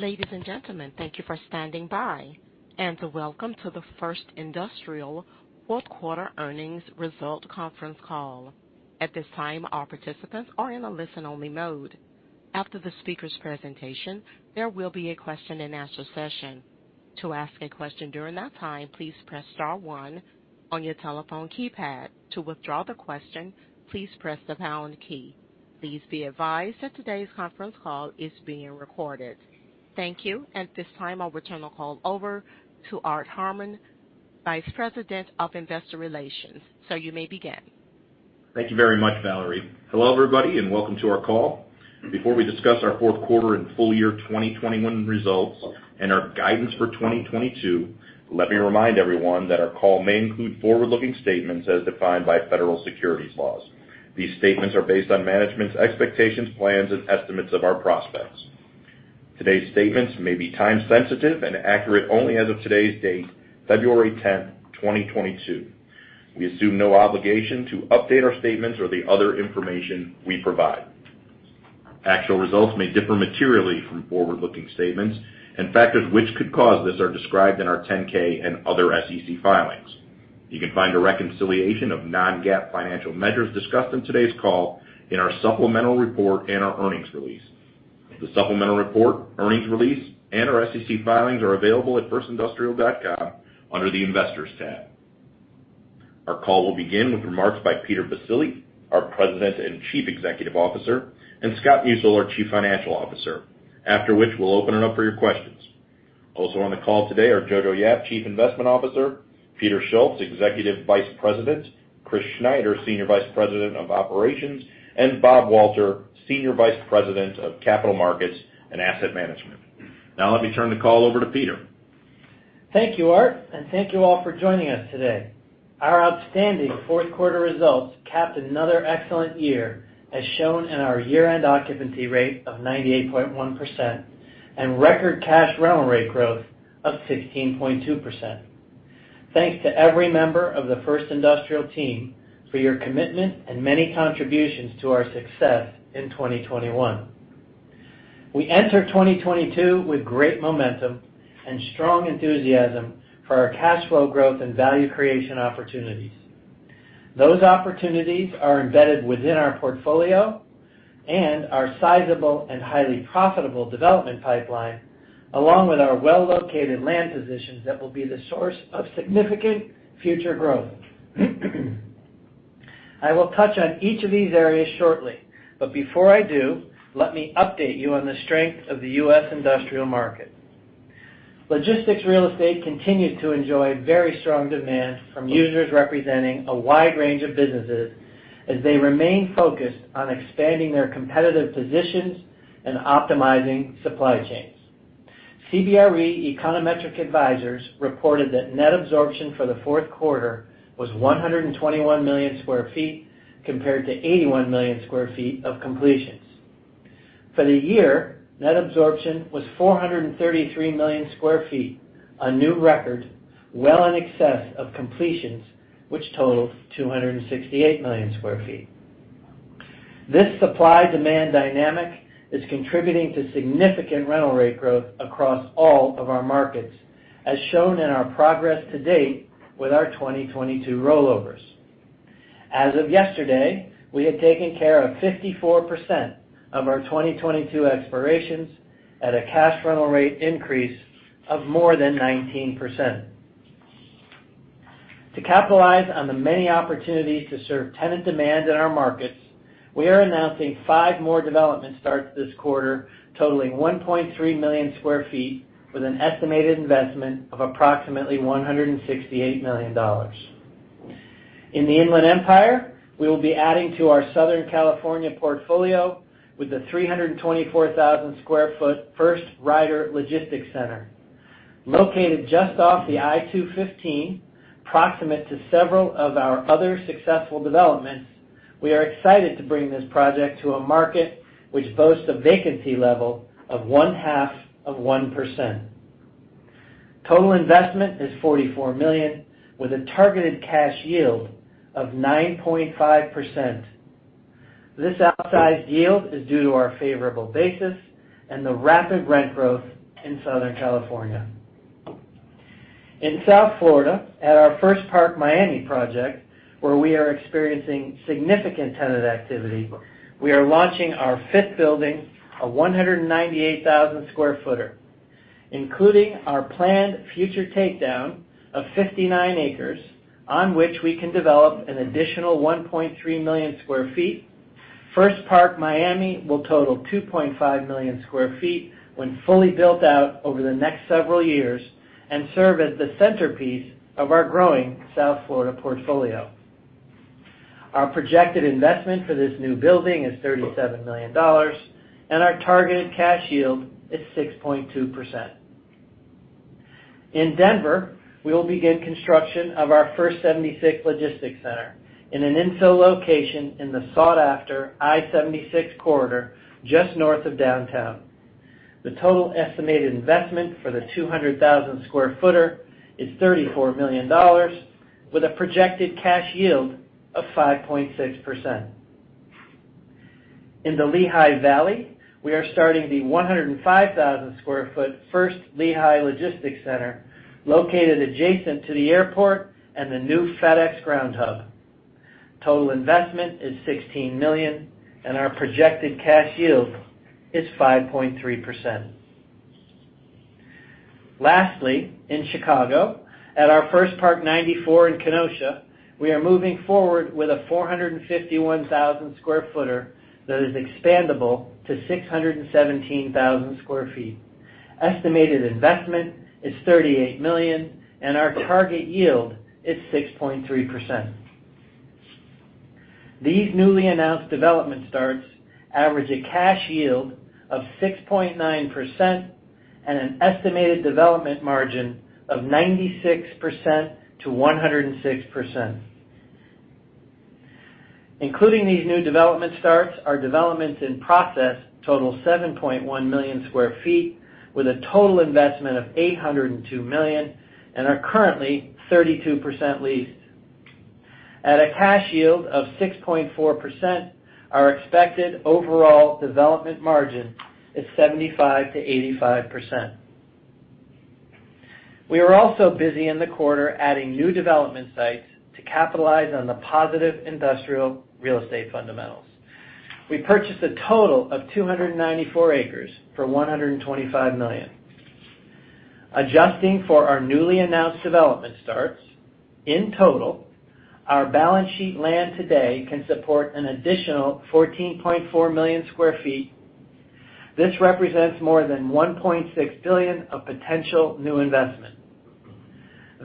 Ladies and gentlemen, thank you for standing by, and welcome to the First Industrial Fourth Quarter Earnings Results Conference Call. At this time, all participants are in a listen-only mode. After the speaker's presentation, there will be a question-and-answer session. To ask a question during that time, please press star one on your telephone keypad. To withdraw the question, please press the pound key. Please be advised that today's conference call is being recorded. Thank you. At this time, I'll return the call over to Art Harmon, Vice President of Investor Relations. Sir, you may begin. Thank you very much, Valerie. Hello, everybody, and welcome to our call. Before we discuss our fourth quarter and full year 2021 results and our guidance for 2022, let me remind everyone that our call may include forward-looking statements as defined by federal securities laws. These statements are based on management's expectations, plans, and estimates of our prospects. Today's statements may be time-sensitive and accurate only as of today's date, February 10, 2022. We assume no obligation to update our statements or the other information we provide. Actual results may differ materially from forward-looking statements, and factors which could cause this are described in our 10-K and other SEC filings. You can find a reconciliation of non-GAAP financial measures discussed in today's call in our supplemental report and our earnings release. The supplemental report, earnings release, and our SEC filings are available at firstindustrial.com under the Investors tab. Our call will begin with remarks by Peter Baccile, our President and Chief Executive Officer, and Scott Musil, our Chief Financial Officer. After which, we'll open it up for your questions. Also on the call today are Jojo Yap, Chief Investment Officer, Peter Schultz, Executive Vice President, Chris Schneider, Senior Vice President of Operations, and Bob Walter, Senior Vice President of Capital Markets and Asset Management. Now let me turn the call over to Peter. Thank you, Art, and thank you all for joining us today. Our outstanding fourth quarter results capped another excellent year, as shown in our year-end occupancy rate of 98.1% and record cash rental rate growth of 16.2%. Thanks to every member of the First Industrial team for your commitment and many contributions to our success in 2021. We enter 2022 with great momentum and strong enthusiasm for our cash flow growth and value creation opportunities. Those opportunities are embedded within our portfolio and our sizable and highly profitable development pipeline, along with our well-located land positions that will be the source of significant future growth. I will touch on each of these areas shortly, but before I do, let me update you on the strength of the U.S. industrial market. Logistics real estate continued to enjoy very strong demand from users representing a wide range of businesses as they remain focused on expanding their competitive positions and optimizing supply chains. CBRE Econometric Advisors reported that net absorption for the fourth quarter was 121 million sq ft, compared to 81 million sq ft of completions. For the year, net absorption was 433 million sq ft, a new record well in excess of completions, which totaled 268 million sq ft. This supply-demand dynamic is contributing to significant rental rate growth across all of our markets, as shown in our progress to date with our 2022 rollovers. As of yesterday, we had taken care of 54% of our 2022 expirations at a cash rental rate increase of more than 19%. To capitalize on the many opportunities to serve tenant demand in our markets, we are announcing five more development starts this quarter, totaling 1.3 million sq ft with an estimated investment of approximately $168 million. In the Inland Empire, we will be adding to our Southern California portfolio with the 324,000 sq ft First Rider Logistics Center. Located just off the I-215, proximate to several of our other successful developments, we are excited to bring this project to a market which boasts a vacancy level of 0.5%. Total investment is $44 million, with a targeted cash yield of 9.5%. This outsized yield is due to our favorable basis and the rapid rent growth in Southern California. In South Florida, at our First Park Miami project, where we are experiencing significant tenant activity, we are launching our fifth building, a 198,000 sq ft. Including our planned future takedown of 59 acres, on which we can develop an additional 1.3 million sq ft, First Park Miami will total 2.5 million sq ft when fully built out over the next several years and serve as the centerpiece of our growing South Florida portfolio. Our projected investment for this new building is $37 million, and our targeted cash yield is 6.2%. In Denver, we will begin construction of our First 76 Logistics Center in an infill location in the sought-after I-76 corridor just north of downtown. The total estimated investment for the 200,000 sq ft building is $34 million with a projected cash yield of 5.6%. In the Lehigh Valley, we are starting the 105,000 sq ft First Lehigh Logistics Center, located adjacent to the airport and the new FedEx ground hub. Total investment is $16 million, and our projected cash yield is 5.3%. In Chicago, at our First Park 94 in Kenosha, we are moving forward with a 451,000 sq ft building that is expandable to 617,000 sq ft. Estimated investment is $38 million, and our target yield is 6.3%. These newly announced development starts average a cash yield of 6.9% and an estimated development margin of 96%-106%. Including these new development starts, our developments in process total 7.1 million sq ft, with a total investment of $802 million and are currently 32% leased. At a cash yield of 6.4%, our expected overall development margin is 75%-85%. We are also busy in the quarter adding new development sites to capitalize on the positive industrial real estate fundamentals. We purchased a total of 294 acres for $125 million. Adjusting for our newly announced development starts, in total, our balance sheet land today can support an additional 14.4 million sq ft. This represents more than $1.6 billion of potential new investment.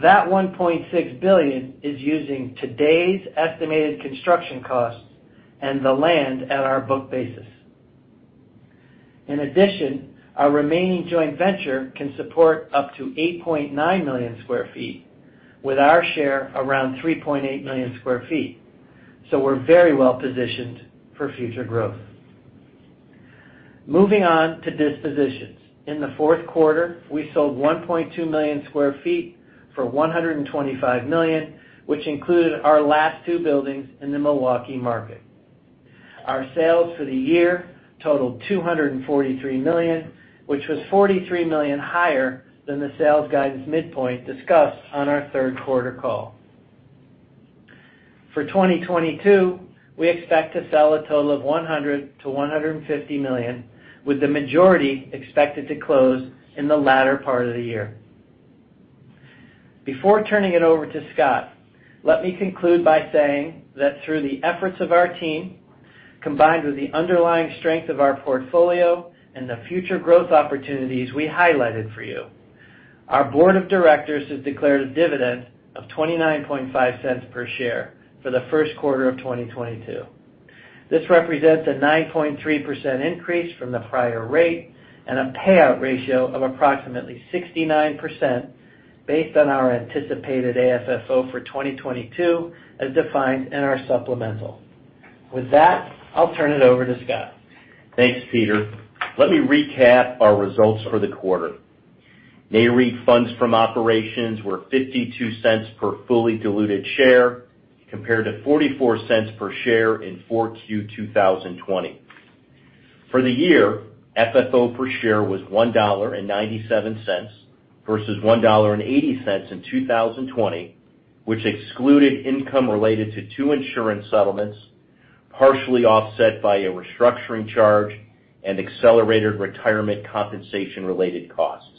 That $1.6 billion is using today's estimated construction costs and the land at our book basis. In addition, our remaining joint venture can support up to 8.9 million sq ft, with our share around 3.8 million sq ft. We're very well positioned for future growth. Moving on to dispositions. In the fourth quarter, we sold 1.2 million sq ft for $125 million, which included our last two buildings in the Milwaukee market. Our sales for the year totaled $243 million, which was $43 million higher than the sales guidance midpoint discussed on our third quarter call. For 2022, we expect to sell a total of $100 million-$150 million, with the majority expected to close in the latter part of the year. Before turning it over to Scott, let me conclude by saying that through the efforts of our team, combined with the underlying strength of our portfolio and the future growth opportunities we highlighted for you, our board of directors has declared a dividend of $0.295 per share for the first quarter of 2022. This represents a 9.3% increase from the prior rate and a payout ratio of approximately 69% based on our anticipated AFFO for 2022, as defined in our supplemental. With that, I'll turn it over to Scott. Thanks, Peter. Let me recap our results for the quarter. NAREIT funds from operations were $0.52 per fully diluted share compared to $0.44 per share in Q4 2020. For the year, FFO per share was $1.97 versus $1.80 in 2020, which excluded income related to two insurance settlements, partially offset by a restructuring charge and accelerated retirement compensation related costs.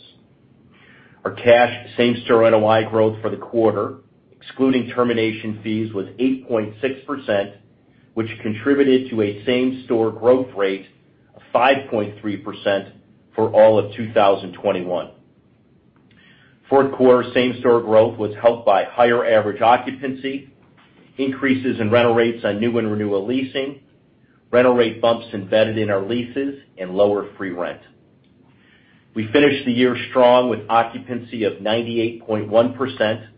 Our cash same-store NOI growth for the quarter, excluding termination fees, was 8.6%, which contributed to a same-store growth rate of 5.3% for all of 2021. Fourth quarter same-store growth was helped by higher average occupancy, increases in rental rates on new and renewal leasing, rental rate bumps embedded in our leases and lower free rent. We finished the year strong with occupancy of 98.1%,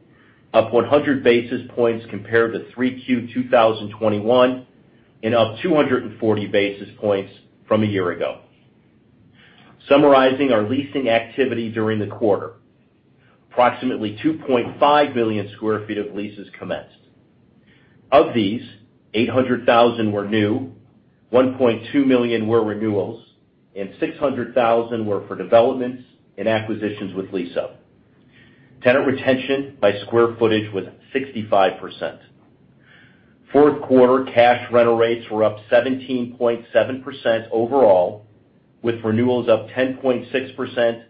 up 100 basis points compared to 3Q 2021, and up 240 basis points from a year ago. Summarizing our leasing activity during the quarter, approximately 2.5 million sq ft of leases commenced. Of these, 800,000 were new, 1.2 million were renewals, and 600,000 were for developments and acquisitions with lease-up. Tenant retention by square footage was 65%. Fourth quarter cash rental rates were up 17.7% overall, with renewals up 10.6%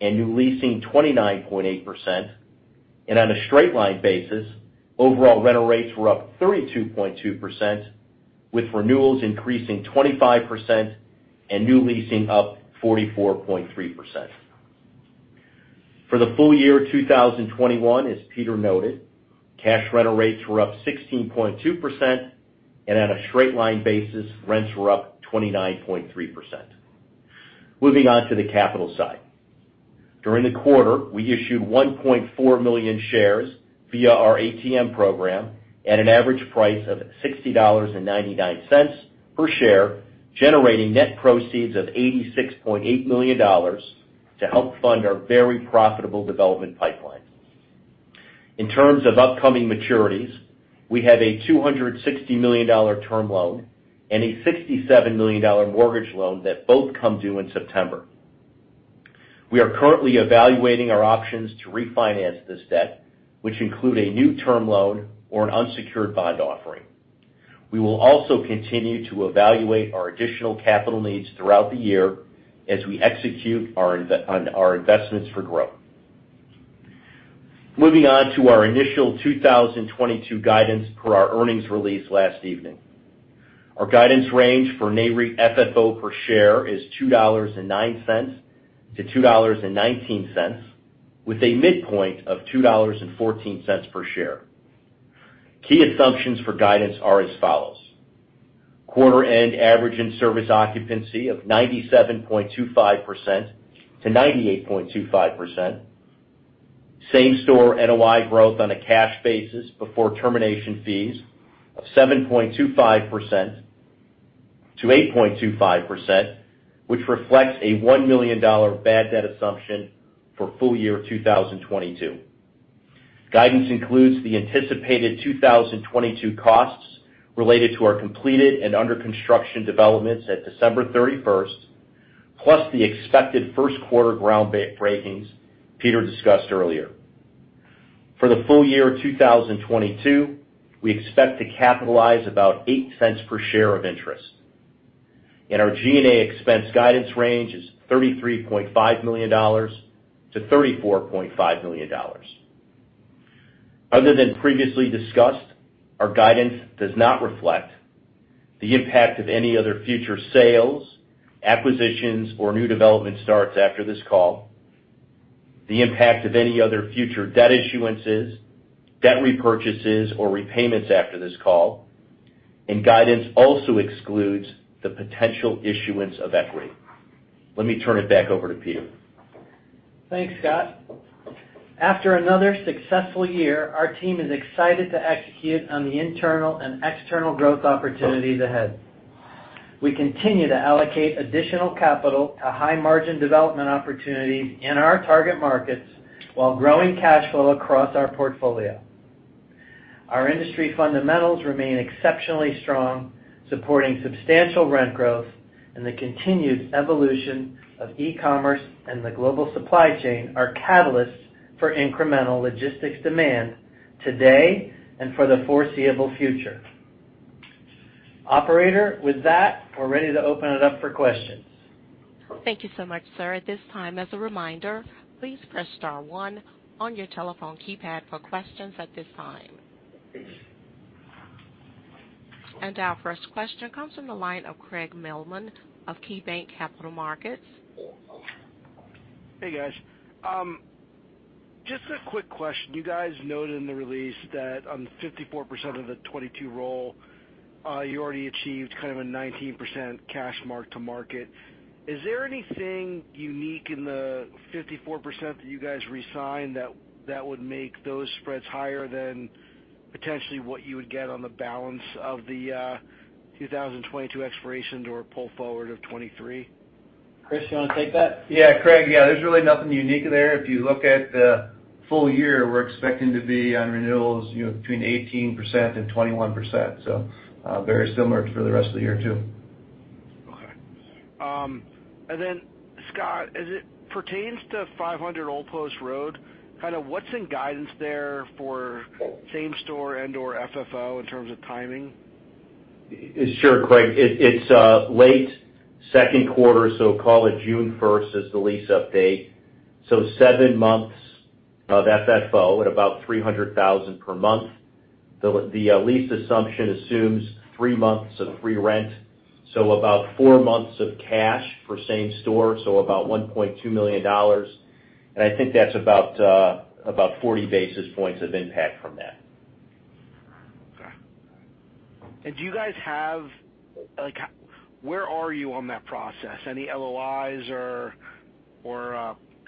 and new leasing 29.8%. On a straight line basis, overall rental rates were up 32.2%, with renewals increasing 25% and new leasing up 44.3%. For the full year 2021, as Peter noted, cash rental rates were up 16.2%, and on a straight line basis, rents were up 29.3%. Moving on to the capital side. During the quarter, we issued 1.4 million shares via our ATM program at an average price of $60.99 per share, generating net proceeds of $86.8 million to help fund our very profitable development pipeline. In terms of upcoming maturities, we have a $260 million term loan and a $67 million mortgage loan that both come due in September. We are currently evaluating our options to refinance this debt, which include a new term loan or an unsecured bond offering. We will also continue to evaluate our additional capital needs throughout the year as we execute on our investments for growth. Moving on to our initial 2022 guidance per our earnings release last evening. Our guidance range for NAREIT FFO per share is $2.09-$2.19, with a midpoint of $2.14 per share. Key assumptions for guidance are as follows: Quarter end average in-service occupancy of 97.25%-98.25%. Same-store NOI growth on a cash basis before termination fees of 7.25%-8.25%, which reflects a $1 million bad debt assumption for full year 2022. Guidance includes the anticipated 2022 costs related to our completed and under construction developments at December 31, plus the expected first quarter ground breakings Peter discussed earlier. For the full year 2022, we expect to capitalize about $0.08 per share of interest. Our G&A expense guidance range is $33.5 million-$34.5 million. Other than previously discussed, our guidance does not reflect the impact of any other future sales, acquisitions, or new development starts after this call, the impact of any other future debt issuances, debt repurchases or repayments after this call, and guidance also excludes the potential issuance of equity. Let me turn it back over to Peter. Thanks, Scott. After another successful year, our team is excited to execute on the internal and external growth opportunities ahead. We continue to allocate additional capital to high-margin development opportunities in our target markets while growing cash flow across our portfolio. Our industry fundamentals remain exceptionally strong, supporting substantial rent growth, and the continued evolution of e-commerce and the global supply chain are catalysts for incremental logistics demand today and for the foreseeable future. Operator, with that, we're ready to open it up for questions. Thank you so much, sir. At this time, as a reminder, please press star one on your telephone keypad for questions at this time. Our first question comes from the line of Craig Mailman of KeyBanc Capital Markets. Hey, guys. Just a quick question. You guys noted in the release that on 54% of the 2022 roll, you already achieved kind of a 19% cash mark to market. Is there anything unique in the 54% that you guys re-signed that would make those spreads higher than potentially what you would get on the balance of the 2022 expiration or pull forward of 2023? Chris, you wanna take that? Yeah, Craig. Yeah, there's really nothing unique there. If you look at the full year, we're expecting to be on renewals, you know, between 18% and 21%. Very similar for the rest of the year too. Okay. Scott, as it pertains to 500 Old Post Road, kind of what's in guidance there for same store and/or FFO in terms of timing? Sure, Craig. It's late second quarter, so call it June 1 as the lease update. Seven months of FFO at about $300,000 per month. The lease assumption assumes three months of free rent, so about months of cash for same store, so about $1.2 million. I think that's about 40 basis points of impact from that. Okay. Do you guys have like, where are you on that process? Any LOIs or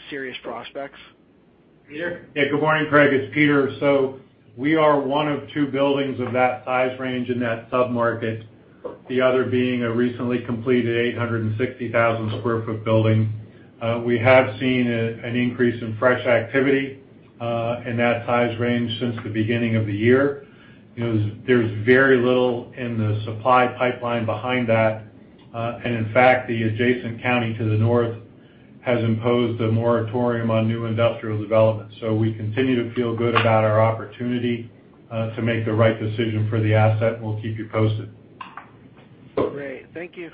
serious prospects? Peter? Yeah. Good morning, Craig. It's Peter. We are one of two buildings of that size range in that sub-market, the other being a recently completed 860,000 sq ft building. We have seen an increase in fresh activity in that size range since the beginning of the year. You know, there's very little in the supply pipeline behind that. In fact, the adjacent county to the north has imposed a moratorium on new industrial development. We continue to feel good about our opportunity to make the right decision for the asset. We'll keep you posted. Great. Thank you.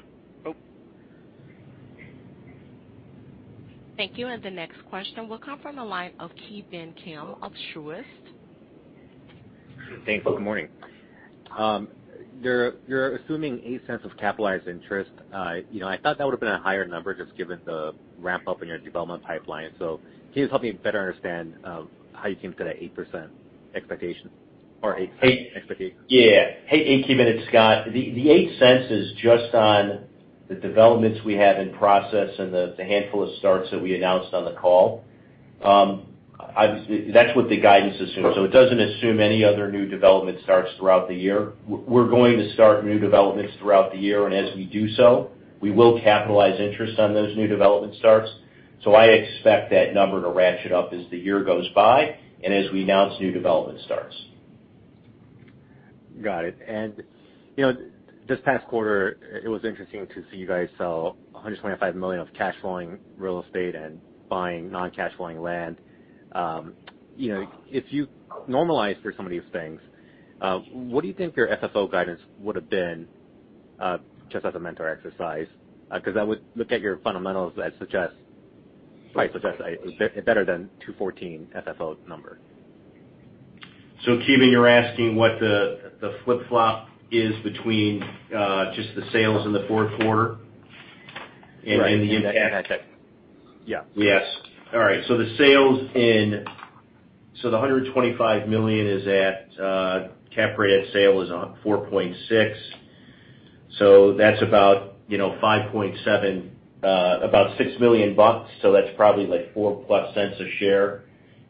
Thank you. The next question will come from the line of Ki Bin Kim of Truist. Thanks. Good morning. You're assuming $0.08 of capitalized interest. You know, I thought that would have been a higher number just given the ramp-up in your development pipeline. Can you just help me better understand how you came to that $0.08 expectation or 8 expectation? Yeah. Hey, Ki Bin. It's Scott. The $0.08 is just on the developments we have in process and the handful of starts that we announced on the call. Obviously, that's what the guidance assumes. It doesn't assume any other new development starts throughout the year. We're going to start new developments throughout the year. As we do so, we will capitalize interest on those new development starts. I expect that number to ratchet up as the year goes by and as we announce new development starts. Got it. You know, this past quarter, it was interesting to see you guys sell $125 million of cash flowing real estate and buying non-cash flowing land. You know, if you normalize for some of these things, what do you think your FFO guidance would have been, just as a mental exercise? 'Cause I would look at your fundamentals that suggest, price suggests it was better than $2.14 FFO number. Ki Bin, you're asking what the flip-flop is between just the sales in the fourth quarter? Right. The impact. Yeah. Yes. All right. The $125 million is at a cap rate at sale of 4.6%. That's about, you know, $5.7 million, about $6 million. That's probably like 4+ cents a share.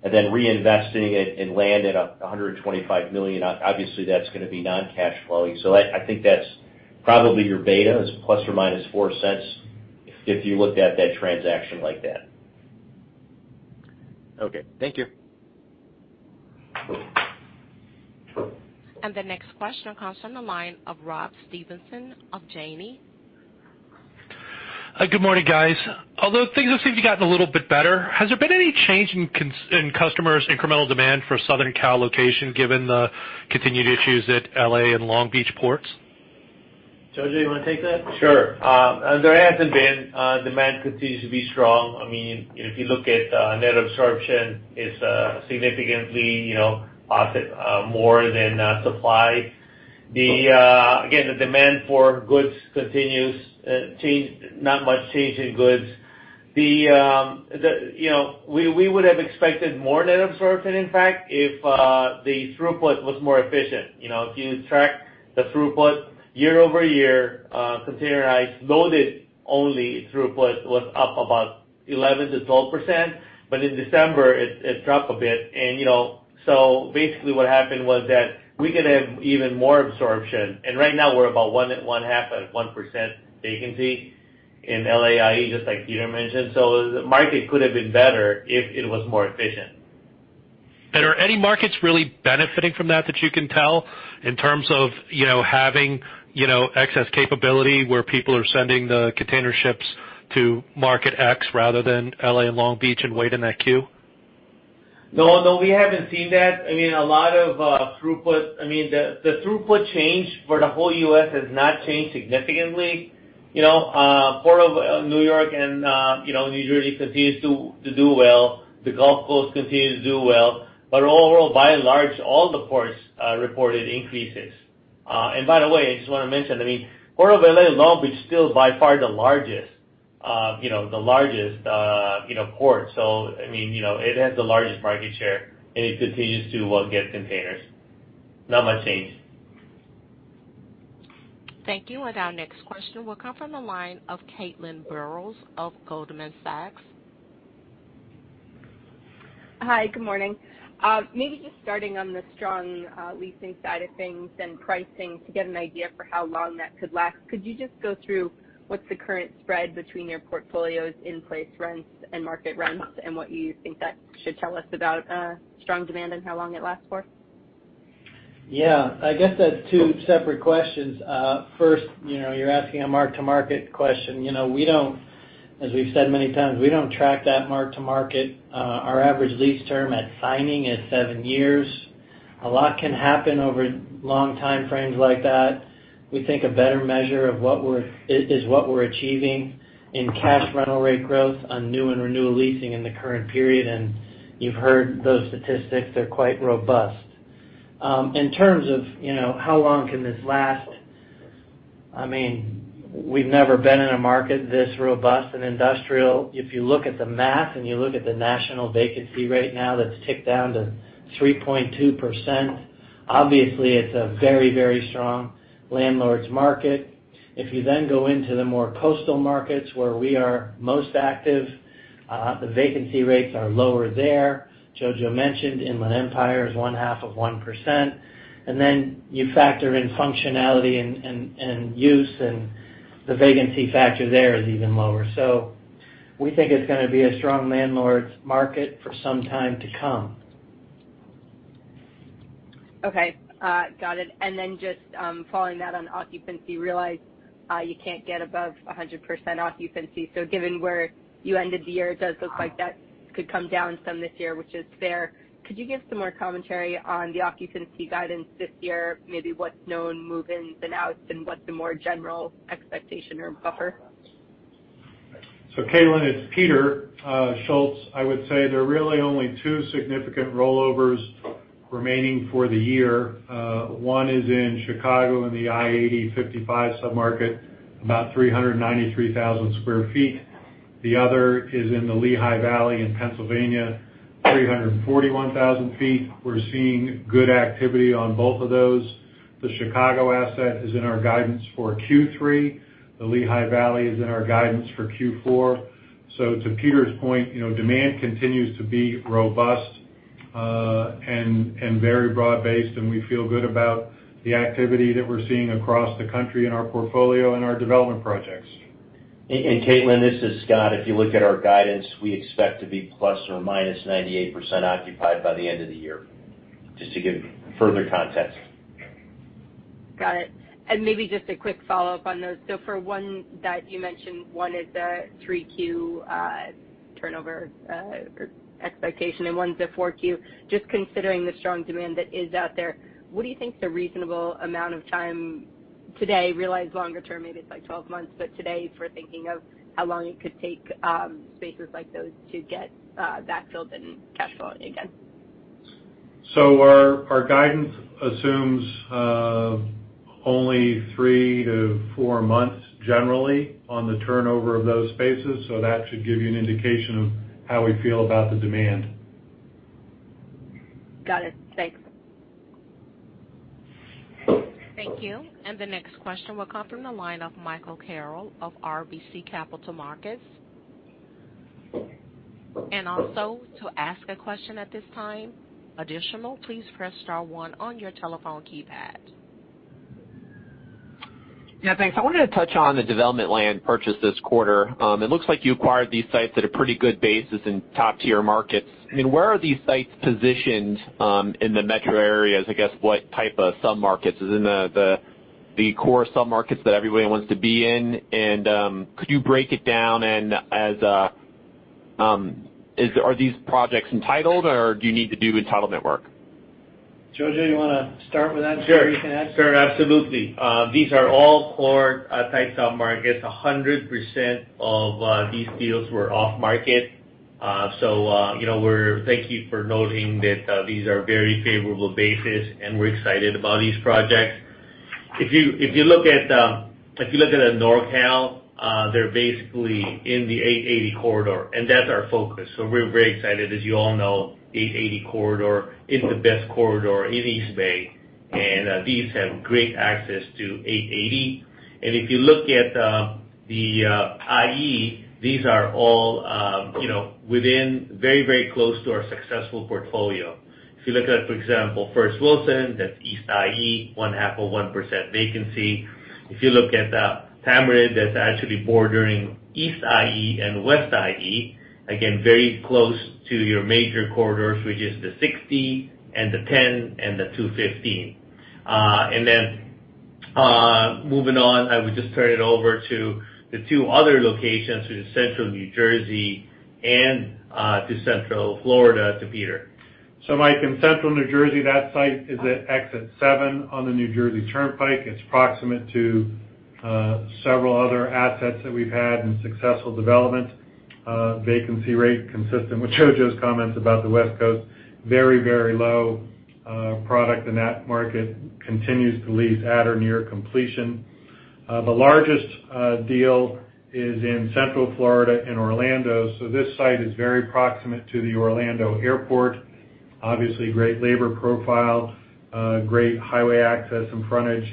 Reinvesting it in land at $125 million, obviously that's gonna be non-cash flowing. I think that's probably your beta is ±4 cents if you looked at that transaction like that. Okay. Thank you. The next question comes from the line of Rob Stevenson of Janney. Hi, good morning, guys. Although things have seemed to have gotten a little bit better, has there been any change in customers' incremental demand for Southern Cal location, given the continued issues at L.A. and Long Beach ports? Jojo, you wanna take that? Sure. There hasn't been. Demand continues to be strong. I mean, if you look at net absorption, it's significantly more than supply. Again, the demand for goods continues, not much change in goods. You know, we would have expected more net absorption, in fact, if the throughput was more efficient. You know, if you track the throughput year-over-year, containerized loaded only throughput was up about 11%-12%. In December, it dropped a bit. You know, so basically what happened was that we could have even more absorption. Right now, we're about 1.5%-1% vacancy in L.A. IE, just like Peter mentioned. The market could have been better if it was more efficient. Are any markets really benefiting from that you can tell in terms of, you know, having, you know, excess capability where people are sending the container ships to market X rather than L.A. and Long Beach and wait in that queue? No, we haven't seen that. I mean, a lot of throughput. I mean, the throughput change for the whole U.S. has not changed significantly. You know, Port of New York and you know, New Jersey continues to do well. The Gulf Coast continues to do well. Overall, by and large, all the ports reported increases. By the way, I just wanna mention, I mean, Port of L.A. and Long Beach is still by far the largest, you know, the largest, you know, port. I mean, you know, it has the largest market share, and it continues to well, get containers. Not much change. Thank you. Our next question will come from the line of Caitlin Burrows of Goldman Sachs. Hi, good morning. Maybe just starting on the strong leasing side of things and pricing to get an idea for how long that could last. Could you just go through what's the current spread between your portfolio's in-place rents and market rents and what you think that should tell us about strong demand and how long it lasts for? Yeah. I guess that's two separate questions. First, you know, you're asking a mark-to-market question. You know, we don't, as we've said many times, we don't track that mark to market. Our average lease term at signing is seven years. A lot can happen over long time frames like that. We think a better measure of what we're achieving in cash rental rate growth on new and renewal leasing in the current period. You've heard those statistics. They're quite robust. In terms of, you know, how long can this last? I mean, we've never been in a market this robust and industrial. If you look at the math and you look at the national vacancy rate now that's ticked down to 3.2%, obviously it's a very, very strong landlord's market. If you then go into the more coastal markets where we are most active, the vacancy rates are lower there. Jojo mentioned Inland Empire is 0.5%. You factor in functionality and use, and the vacancy factor there is even lower. We think it's gonna be a strong landlord's market for some time to come. Okay. Got it. Just following that on occupancy, realize you can't get above 100% occupancy. Given where you ended the year, it does look like that could come down some this year, which is fair. Could you give some more commentary on the occupancy guidance this year? Maybe what's known move-ins and outs and what the more general expectation or buffer? Caitlin, it's Peter Schultz. I would say there are really only two significant rollovers remaining for the year. One is in Chicago in the I-80/55 sub-market, about 393,000 sq ft. The other is in the Lehigh Valley in Pennsylvania. 341,000 sq ft. We're seeing good activity on both of those. The Chicago asset is in our guidance for Q3. The Lehigh Valley is in our guidance for Q4. To Peter's point, you know, demand continues to be robust, and very broad-based, and we feel good about the activity that we're seeing across the country in our portfolio and our development projects. Caitlin, this is Scott. If you look at our guidance, we expect to be ±98% occupied by the end of the year, just to give further context. Got it. Maybe just a quick follow-up on those. For one that you mentioned, one is the 3Q turnover expectation and one's a 4Q. Just considering the strong demand that is out there, what do you think is a reasonable amount of time to re-lease longer term? Maybe it's like 12 months, but today, for thinking of how long it could take, spaces like those to get backfilled and cash flowing again. Our guidance assumes only three to four months generally on the turnover of those spaces, so that should give you an indication of how we feel about the demand. Got it. Thanks. Thank you. The next question will come from the line of Michael Carroll of RBC Capital Markets. Yeah, thanks. I wanted to touch on the development land purchase this quarter. It looks like you acquired these sites at a pretty good basis in top-tier markets. I mean, where are these sites positioned in the metro areas? I guess, what type of submarkets? Is it in the core submarkets that everybody wants to be in? Could you break it down, and are these projects entitled, or do you need to do entitlement work? Jojo, you wanna start with that? Sure. You can add? Sure, absolutely. These are all core types of markets. 100% of these deals were off market. You know, thank you for noting that these are very favorable basis, and we're excited about these projects. If you look at NorCal, they're basically in the I-880 corridor, and that's our focus. We're very excited. As you all know, I-880 corridor or is the best corridor in East Bay, and these have great access to I-880. If you look at the IE, these are all, you know, within very, very close to our successful portfolio. If you look at, for example, First Wilson, that's East IE, 0.5% vacancy. If you look at Tamarind, that's actually bordering East IE and West IE, again, very close to your major corridors, which is the I-60and I and the Two-Fifteen. Moving on, I would just turn it over to the two other locations, which is Central New Jersey and to Central Florida, to Peter. Mike, in Central New Jersey, that site is at Exit 7 on the New Jersey Turnpike. It's proximate to several other assets that we've had in successful development. Vacancy rate consistent with Jojo's comments about the West Coast, very, very low. Product in that market continues to lease at or near completion. The largest deal is in Central Florida in Orlando. This site is very proximate to the Orlando Airport. Obviously great labor profile, great highway access and frontage.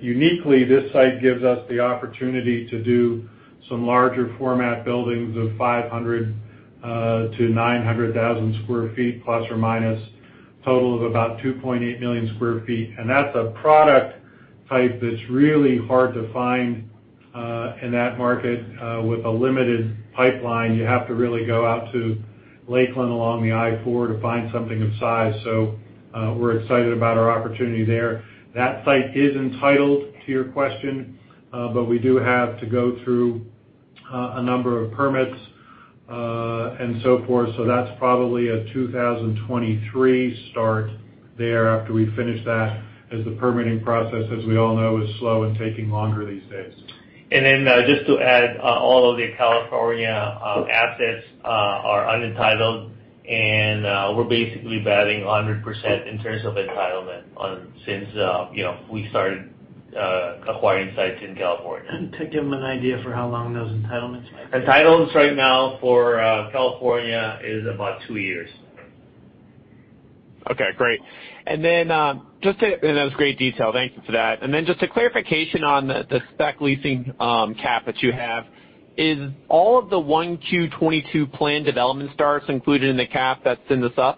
Uniquely, this site gives us the opportunity to do some larger format buildings of 500,000-900,000 sq ft plus or minus, total of about 2.8 million sq ft. That's a product type that's really hard to find in that market with a limited pipeline. You have to really go out to Lakeland along the I-4 to find something of size. We're excited about our opportunity there. That site is entitled. To your question, but we do have to go through a number of permits and so forth. That's probably a 2023 start there after we finish that as the permitting process, as we all know, is slow and taking longer these days. Just to add, all of the California assets are unentitled, and we're basically batting 100% in terms of entitlement since you know, we started acquiring sites in California. To give them an idea for how long those entitlements might be. Entitlements right now for California is about two years. Okay, great. That was great detail. Thank you for that. Just a clarification on the spec leasing cap that you have. Is all of the 1Q 2022 planned development starts included in the cap that's in this update?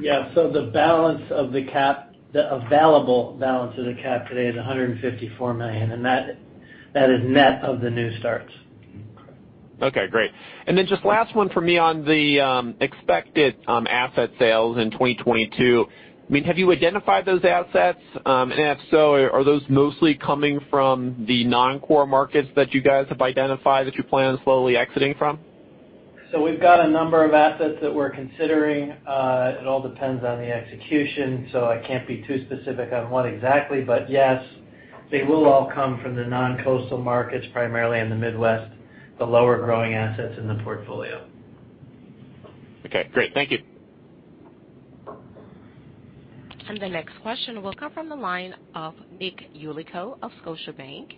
Yeah, the balance of the cap, the available balance of the cap today is $154 million, and that is net of the new starts. Okay, great. Just last one for me on the expected asset sales in 2022. I mean, have you identified those assets? And if so, are those mostly coming from the non-core markets that you guys have identified that you plan on slowly exiting from? We've got a number of assets that we're considering. It all depends on the execution, so I can't be too specific on what exactly. Yes, they will all come from the non-coastal markets, primarily in the Midwest, the lower growing assets in the portfolio. Okay, great. Thank you. The next question will come from the line of Nick Yulico of Scotiabank.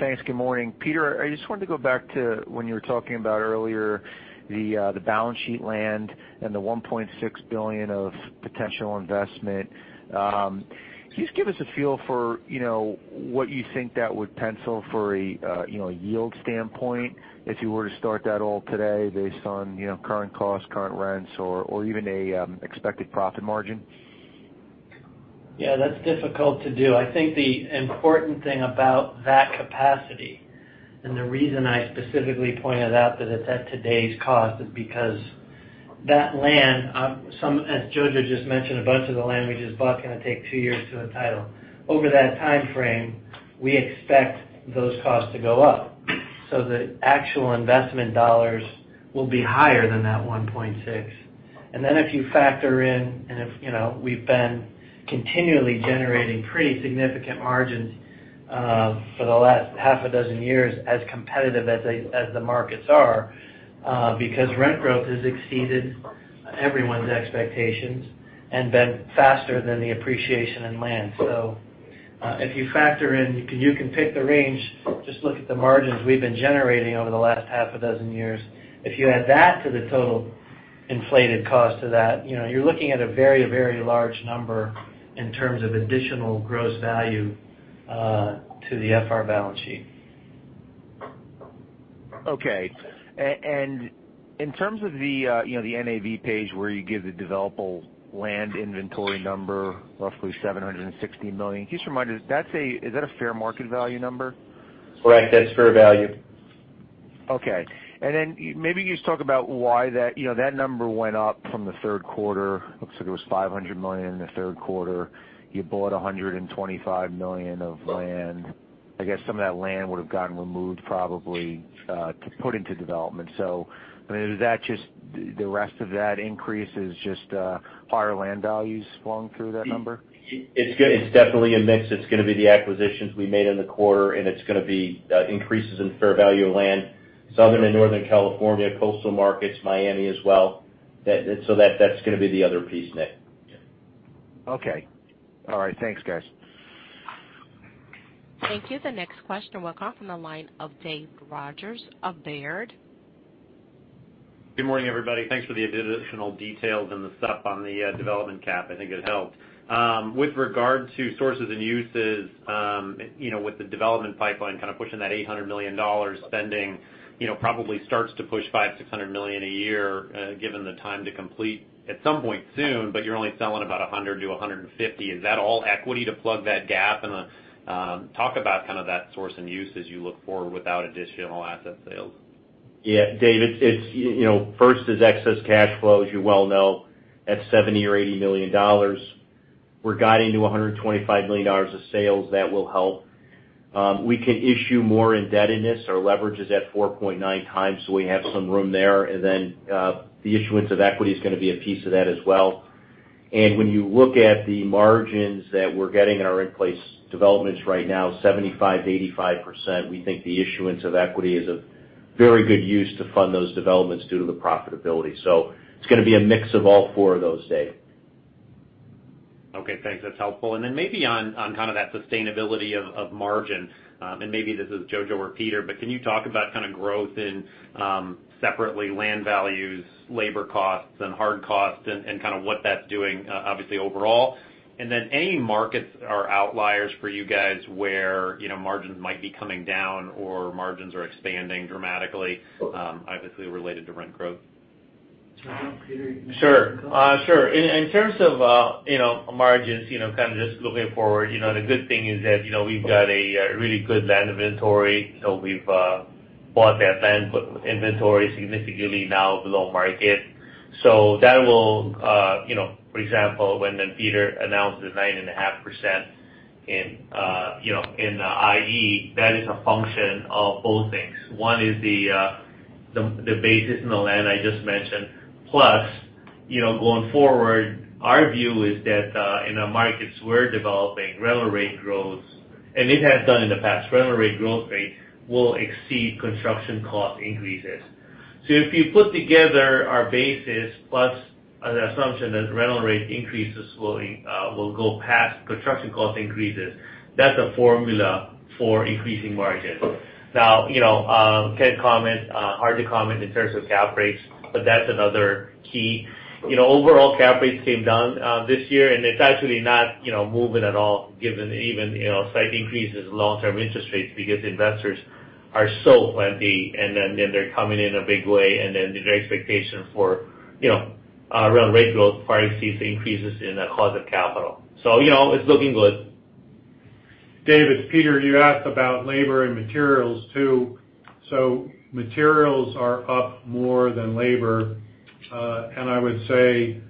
Thanks. Good morning. Peter, I just wanted to go back to when you were talking about earlier the balance sheet land and the $1.6 billion of potential investment. Can you just give us a feel for, you know, what you think that would pencil for a, you know, a yield standpoint if you were to start that all today based on, you know, current costs, current rents or even a expected profit margin? Yeah, that's difficult to do. I think the important thing about that capacity and the reason I specifically pointed out that it's at today's cost is because that land, as Jojo just mentioned, a bunch of the land we just bought is gonna take two years to entitle. Over that timeframe, we expect those costs to go up so the actual investment dollars will be higher than that $1.6. Then if you factor in, you know, we've been continually generating pretty significant margins for the last half a dozen years as competitive as the markets are because rent growth has exceeded everyone's expectations and been faster than the appreciation in land. If you factor in, you can pick the range, just look at the margins we've been generating over the last half a dozen years. If you add that to the total inflated cost of that, you know, you're looking at a very, very large number in terms of additional gross value to the FR balance sheet. Okay. In terms of the, you know, the NAV page where you give the developable land inventory number, roughly $760 million, can you just remind us, is that a fair market value number? Correct. That's fair value. Okay. Maybe you just talk about why that, you know, that number went up from the third quarter. Looks like it was $500 million in the third quarter. You bought $125 million of land. I guess some of that land would have gotten removed probably to put into development. I mean, is that just the rest of that increase just higher land values flowing through that number? It's definitely a mix. It's gonna be the acquisitions we made in the quarter, and it's gonna be increases in fair value of land, Southern and Northern California, coastal markets, Miami as well. That's gonna be the other piece, Nick. Okay. All right. Thanks, guys. Thank you. The next question will come from the line of Dave Rodgers of Baird. Good morning, everybody. Thanks for the additional details and the scoop on the development cap. I think it helped. With regard to sources and uses, you know, with the development pipeline kind of pushing that $800 million spending, you know, probably starts to push $500 million-$600 million a year, given the time to complete at some point soon, but you're only selling about $100 million-$150 million. Is that all equity to plug that gap? Talk about kind of that source and use as you look forward without additional asset sales. Yeah. Dave, it's you know, First is excess cash flow, as you well know, at $70 milliion-$80 million. We're guiding to $125 million of sales. That will help. We can issue more indebtedness. Our leverage is at 4.9 times, so we have some room there. The issuance of equity is gonna be a piece of that as well. When you look at the margins that we're getting in our in place developments right now, 75%-85%, we think the issuance of equity is a very good use to fund those developments due to the profitability. It's gonna be a mix of all four of those, Dave. Okay, thanks. That's helpful. Maybe on kind of that sustainability of margin, and maybe this is Jojo or Peter, but can you talk about kind of growth in separately land values, labor costs and hard costs and kind of what that's doing obviously overall? Any markets are outliers for you guys where, you know, margins might be coming down or margins are expanding dramatically, obviously related to rent growth. Peter, you can go. Sure. In terms of, you know, margins, you know, kind of just looking forward, you know, the good thing is that, you know, we've got a really good land inventory, so we've bought that land inventory significantly now below market. So that will, you know, for example, when Peter announced the 9.5% in IE, that is a function of both things. One is the basis in the land I just mentioned. Plus, you know, going forward, our view is that in the markets we're developing, rental rate growth and it has done in the past will exceed construction cost increases. If you put together our basis plus an assumption that rental rate increases slowly will go past construction cost increases, that's a formula for increasing margins. Now, you know, can't comment hard to comment in terms of cap rates, but that's another key. You know, overall cap rates came down this year, and it's actually not moving at all given even slight increases in long-term interest rates because investors are so plentiful and then they're coming in a big way, and the expectation for rent rate growth far exceeds the increases in the cost of capital. You know, it's looking good. David, Peter here, you asked about labor and materials, too. Materials are up more than labor. I would say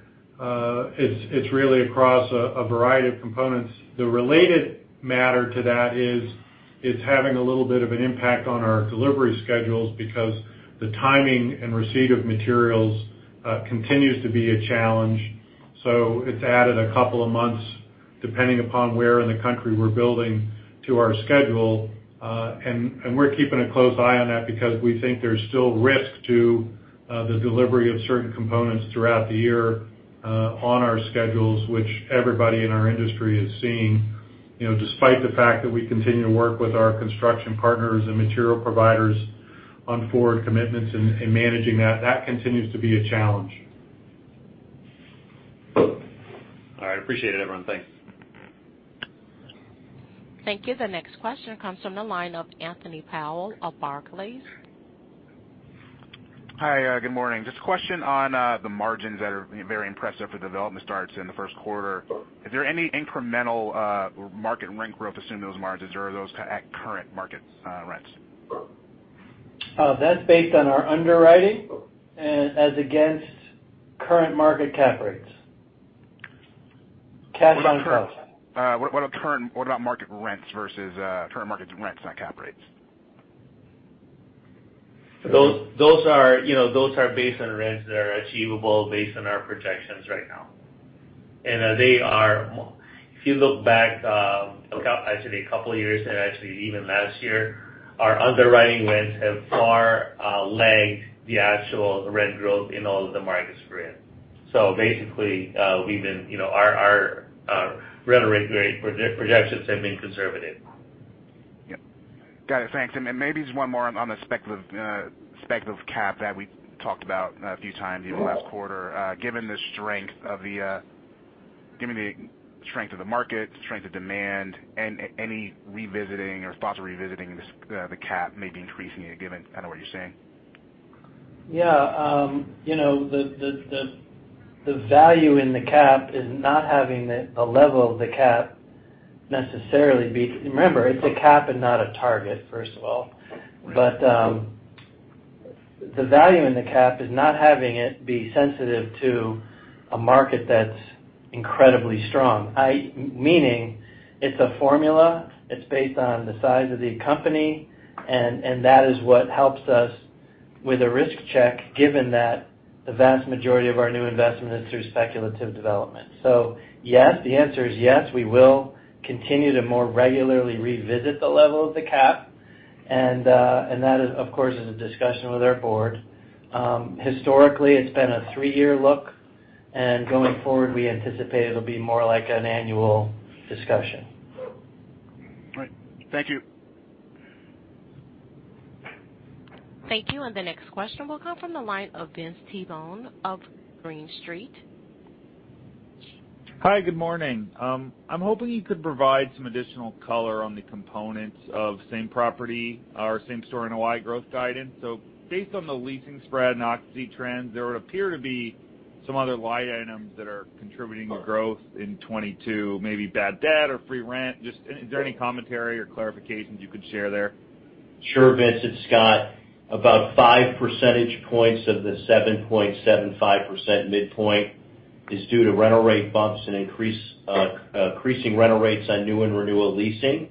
it's really across a variety of components. The related matter to that is it's having a little bit of an impact on our delivery schedules because the timing and receipt of materials continues to be a challenge. It's added a couple of month Depending upon where in the country we're building to our schedule. We're keeping a close eye on that because we think there's still risk to the delivery of certain components throughout the year on our schedules, which everybody in our industry is seeing. You know, despite the fact that we continue to work with our construction partners and material providers on forward commitments and managing that continues to be a challenge. All right. Appreciate it, everyone. Thanks. Thank you. The next question comes from the line of Anthony Powell of Barclays. Hi. Good morning. Just a question on the margins that are very impressive for development starts in the first quarter. Is there any incremental market rent growth assumed those margins, or are those at current market rents? That's based on our underwriting and as against current market cap rates. Cash on cost. What about market rents versus current market rents, not cap rates? Those are, you know, based on rents that are achievable based on our projections right now. They are. If you look back, actually a couple of years and actually even last year, our underwriting rents have far lagged the actual rent growth in all of the markets we're in. Basically, we've been, you know, our rental rate projections have been conservative. Yep. Got it. Thanks. Maybe just one more on the speculative cap that we talked about a few times even last quarter. Given the strength of the market, strength of demand, any revisiting or thoughts of revisiting the cap, maybe increasing it given kind of what you're seeing? Yeah. You know, the value in the cap is not having the level of the cap necessarily be. Remember, it's a cap and not a target, first of all. The value in the cap is not having it be sensitive to a market that's incredibly strong. Meaning, it's a formula. It's based on the size of the company, and that is what helps us with a risk check, given that the vast majority of our new investment is through speculative development. Yes, the answer is yes, we will continue to more regularly revisit the level of the cap. That, of course, is a discussion with our board. Historically, it's been a three-year look, and going forward, we anticipate it'll be more like an annual discussion. All right. Thank you. Thank you. The next question will come from the line of Vince Tibone of Green Street. Hi, good morning. I'm hoping you could provide some additional color on the components of same property or same-store NOI growth guidance. Based on the leasing spread and occupancy trends, there would appear to be some other line items that are contributing to growth in 2022, maybe bad debt or free rent. Just, is there any commentary or clarifications you could share there? Sure, Vince. It's Scott. About 5 percentage points of the 7.75% midpoint is due to rental rate bumps and increasing rental rates on new and renewal leasing.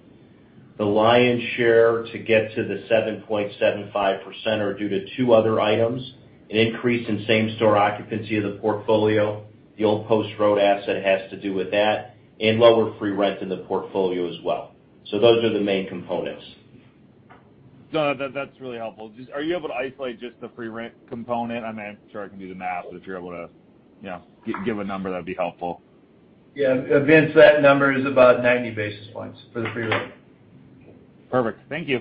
The lion's share to get to the 7.75% are due to two other items, an increase in same-store occupancy of the portfolio. The old Post Road asset has to do with that and lower free rent in the portfolio as well. Those are the main components. No, that's really helpful. Just are you able to isolate just the free rent component? I mean, I'm sure I can do the math, but if you're able to, you know, give a number, that'd be helpful. Yeah. Vince, that number is about 90 basis points for the free rent. Perfect. Thank you.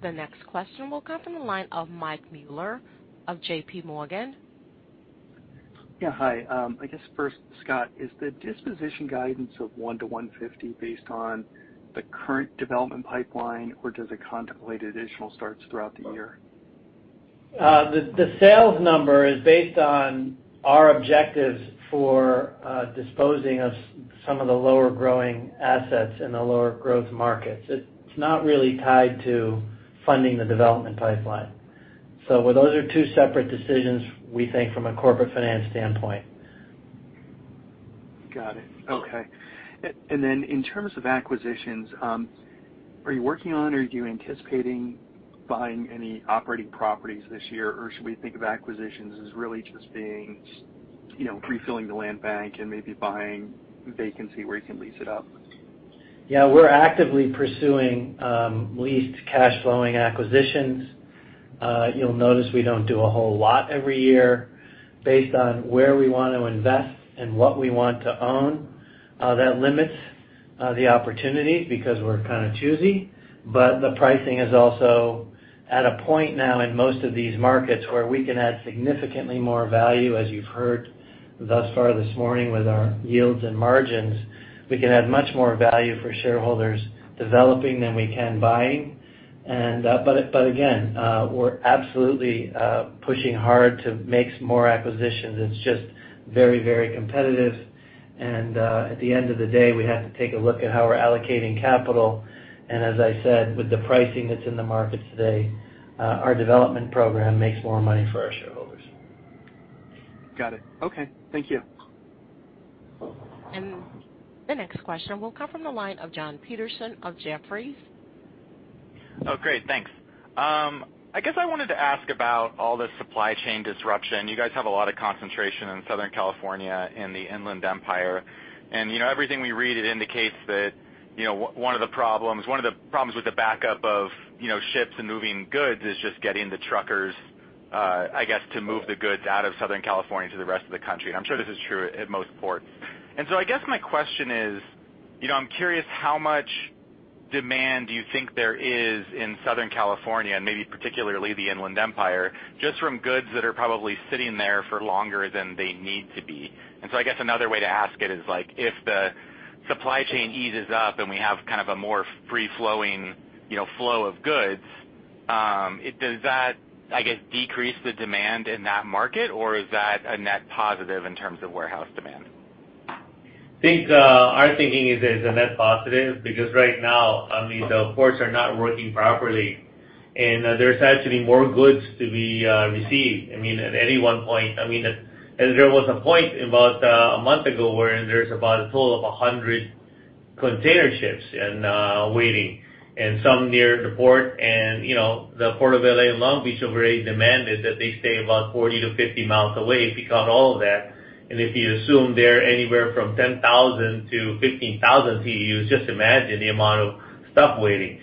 The next question will come from the line of Mike Mueller of JPMorgan. Yeah. Hi. I guess first, Scott, is the disposition guidance of $100 million-$150 million based on the current development pipeline, or does it contemplate additional starts throughout the year? The sales number is based on our objectives for disposing of some of the lower growing assets in the lower growth markets. It's not really tied to funding the development pipeline. Those are two separate decisions, we think, from a corporate finance standpoint. Got it. Okay. In terms of acquisitions, are you working on or are you anticipating buying any operating properties this year? Or should we think of acquisitions as really just being, you know, refilling the land bank and maybe buying vacancy where you can lease it up? Yeah, we're actively pursuing leased cash flowing acquisitions. You'll notice we don't do a whole lot every year based on where we want to invest and what we want to own. That limits the opportunities because we're kind of choosy. The pricing is also at a point now in most of these markets where we can add significantly more value, as you've heard thus far this morning with our yields and margins. We can add much more value for shareholders developing than we can buying. We're absolutely pushing hard to make some more acquisitions. It's just very, very competitive. At the end of the day, we have to take a look at how we're allocating capital. As I said, with the pricing that's in the markets today, our development program makes more money for our shareholders. Got it. Okay. Thank you. The next question will come from the line of Jon Petersen of Jefferies. Oh, great. Thanks. I guess I wanted to ask about all the supply chain disruption. You guys have a lot of concentration in Southern California in the Inland Empire. You know, everything we read, it indicates that, you know, one of the problems with the backup of, you know, ships and moving goods is just getting the truckers, I guess, to move the goods out of Southern California to the rest of the country. I'm sure this is true at most ports. I guess my question is, you know, I'm curious, how much demand do you think there is in Southern California, and maybe particularly the Inland Empire, just from goods that are probably sitting there for longer than they need to be? I guess another way to ask it is, like, if the supply chain eases up and we have kind of a more free-flowing, you know, flow of goods, does that, I guess, decrease the demand in that market, or is that a net positive in terms of warehouse demand? I think our thinking is it's a net positive because right now, I mean, the ports are not working properly, and there's actually more goods to be received. I mean, at any one point, I mean, and there was a point about a month ago where there's about a total of 100 container ships and waiting. Some near the port and, you know, the Port of L.A. and Long Beach already demanded that they stay about 40-50 mi away if you count all of that. If you assume they're anywhere from 10,000 to 15,000 TEUs, just imagine the amount of stuff waiting.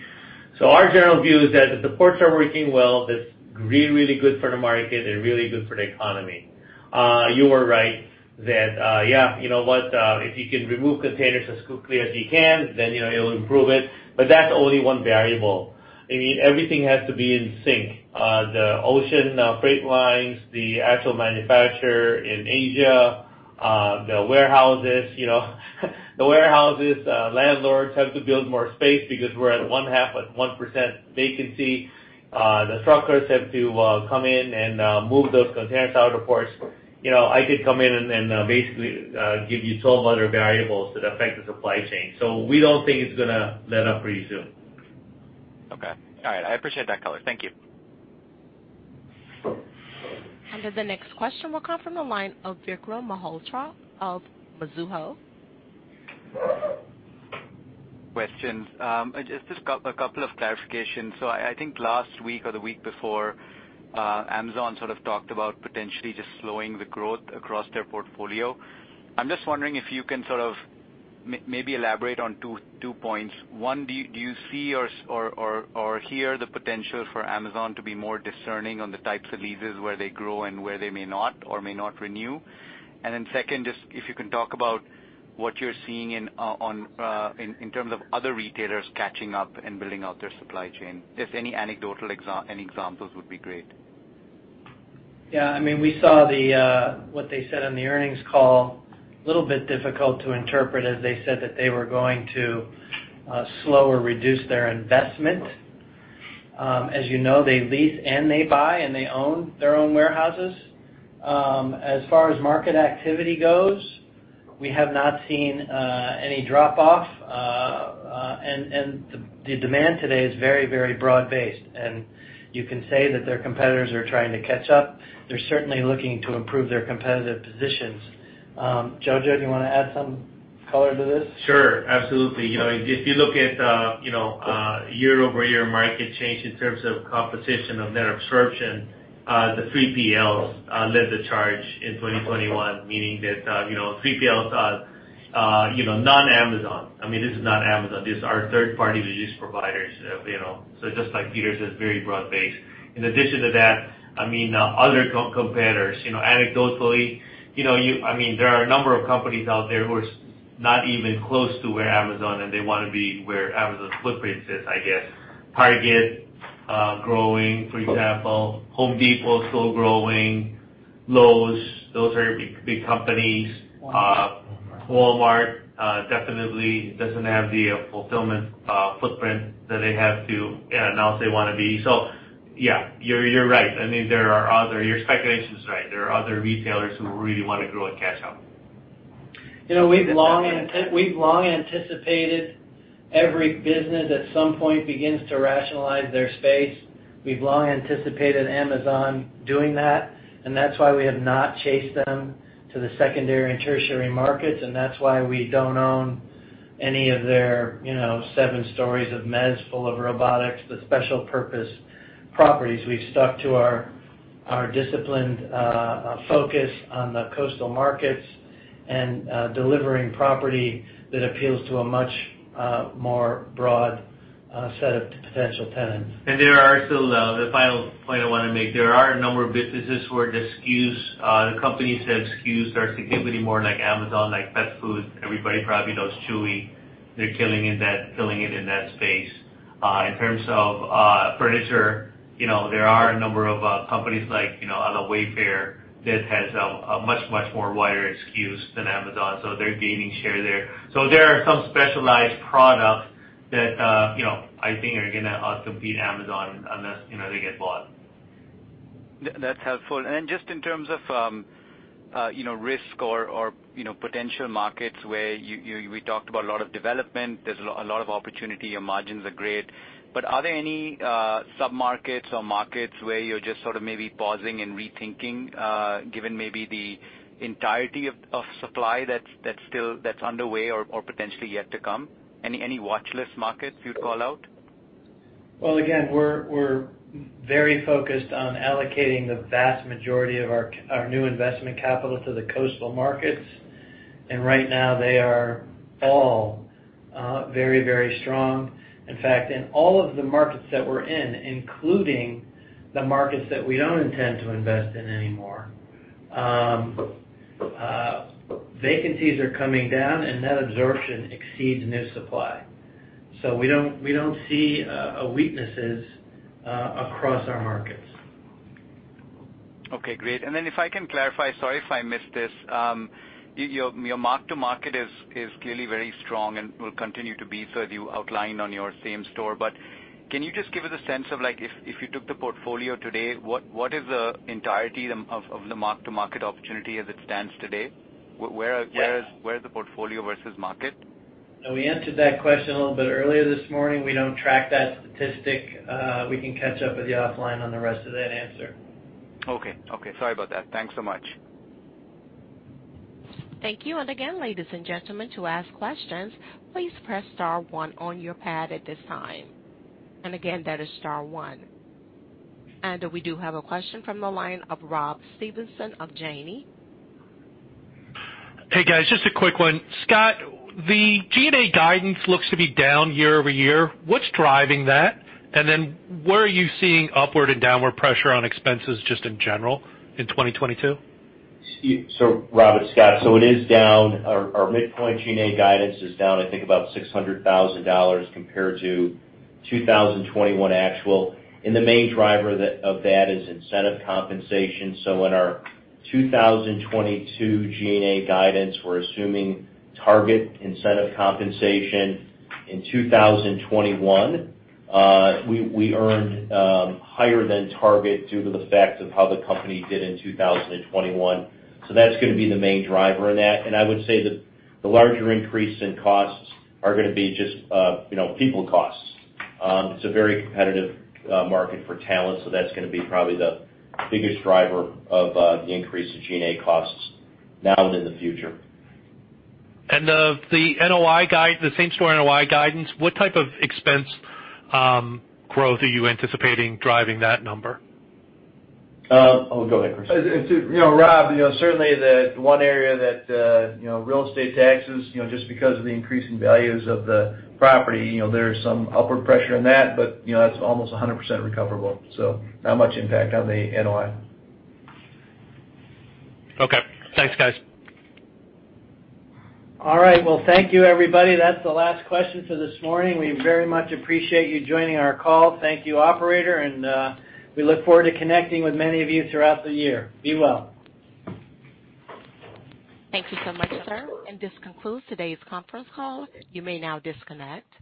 Our general view is that if the ports are working well, that's really, really good for the market and really good for the economy. You are right that, yeah, you know what? If you can remove containers as quickly as you can, then, you know, it'll improve it. But that's only one variable. I mean, everything has to be in sync. The ocean freight lines, the actual manufacturer in Asia, the warehouses, you know. The warehouses landlords have to build more space because we're at 0.5% vacancy. The truckers have to come in and move those containers out of the ports. You know, I could come in and basically give you 12 other variables that affect the supply chain. We don't think it's gonna let up pretty soon. Okay. All right. I appreciate that color. Thank you. The next question will come from the line of Vikram Malhotra of Mizuho. Questions. Just a couple of clarifications. I think last week or the week before, Amazon sort of talked about potentially just slowing the growth across their portfolio. I'm just wondering if you can sort of maybe elaborate on two points. One, do you see or hear the potential for Amazon to be more discerning on the types of leases where they grow and where they may not or may not renew? Second, just if you can talk about what you're seeing in terms of other retailers catching up and building out their supply chain. Just any anecdotal examples would be great. Yeah, I mean, we saw what they said on the earnings call. A little bit difficult to interpret, as they said that they were going to slow or reduce their investment. As you know, they lease and they buy, and they own their own warehouses. As far as market activity goes, we have not seen any drop off. The demand today is very, very broad-based. You can say that their competitors are trying to catch up. They're certainly looking to improve their competitive positions. Jojo, do you wanna add some color to this? Sure, absolutely. You know, if you look at year-over-year market change in terms of competition of net absorption, the 3PLs led the charge in 2021, meaning that you know, 3PLs, you know, non-Amazon. I mean, this is non-Amazon. These are third-party logistics providers, you know. Just like Peter says, very broad-based. In addition to that, I mean, other competitors. You know, anecdotally, you know, I mean, there are a number of companies out there who are not even close to where Amazon, and they wanna be where Amazon's footprint is, I guess. Target growing, for example. Home Depot is still growing. Lowe's. Those are big, big companies. Walmart definitely doesn't have the fulfillment footprint that they have to announce they wanna be. Yeah, you're right. I mean, there are other... Your speculation is right. There are other retailers who really wanna grow and catch up. You know, we've long anticipated every business at some point begins to rationalize their space. We've long anticipated Amazon doing that, and that's why we have not chased them to the secondary and tertiary markets, and that's why we don't own any of their, you know, seven stories of mezz full of robotics, the special purpose properties. We've stuck to our disciplined focus on the coastal markets and delivering property that appeals to a much more broad set of potential tenants. There are still the final point I wanna make. There are a number of businesses where the SKUs the company said SKUs are significantly more like Amazon, like pet food. Everybody probably knows Chewy. They're killing it in that space. In terms of furniture, you know, there are a number of companies like, you know, a Wayfair that has a much more wider SKUs than Amazon, so they're gaining share there. There are some specialized products that you know I think are gonna outcompete Amazon unless you know they get bought. That's helpful. Just in terms of, you know, risk or you know, potential markets where we talked about a lot of development. There's a lot of opportunity. Your margins are great. Are there any sub-markets or markets where you're just sort of maybe pausing and rethinking, given maybe the entirety of supply that's underway or potentially yet to come? Any watchlist markets you'd call out? Well, again, we're very focused on allocating the vast majority of our new investment capital to the coastal markets. Right now they are all very strong. In fact, in all of the markets that we're in, including the markets that we don't intend to invest in anymore, vacancies are coming down and net absorption exceeds new supply. We don't see weaknesses across our markets. Okay, great. Then if I can clarify, sorry if I missed this. Your mark-to-market is clearly very strong and will continue to be so as you outlined on your same store. Can you just give us a sense of, like, if you took the portfolio today, what is the entirety of the mark-to-market opportunity as it stands today? Where is- Yes. Where is the portfolio versus market? We answered that question a little bit earlier this morning. We don't track that statistic. We can catch up with you offline on the rest of that answer. Okay, sorry about that. Thanks so much. Thank you. Again, ladies and gentlemen, to ask questions, please press star one on your pad at this time. Again, that is star one. We do have a question from the line of Rob Stevenson of Janney. Hey, guys, just a quick one. Scott, the G&A guidance looks to be down year over year. What's driving that? Where are you seeing upward and downward pressure on expenses just in general in 2022? Robert, Scott, it is down. Our midpoint G&A guidance is down, I think about $600,000 compared to 2021 actual. The main driver of that is incentive compensation. In our 2022 G&A guidance, we're assuming target incentive compensation. In 2021, we earned higher than target due to the fact of how the company did in 2021. That's gonna be the main driver in that. I would say that the larger increase in costs are gonna be just, you know, people costs. It's a very competitive market for talent, so that's gonna be probably the biggest driver of the increase in G&A costs now and in the future. The same-store NOI guidance, what type of expense growth are you anticipating driving that number? Oh, go ahead, Chris. You know, Rob, you know, certainly the one area that, you know, real estate taxes, you know, just because of the increasing values of the property, you know, there's some upward pressure on that. You know, that's almost 100% recoverable, so not much impact on the NOI. Okay, thanks, guys. All right. Well, thank you everybody. That's the last question for this morning. We very much appreciate you joining our call. Thank you, operator, and we look forward to connecting with many of you throughout the year. Be well. Thank you so much, sir. This concludes today's conference call. You may now disconnect.